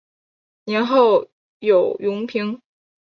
年号有永平。